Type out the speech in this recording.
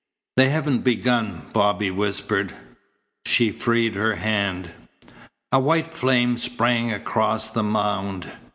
"They haven't begun," Bobby whispered. She freed her hand. A white flame sprang across the mound.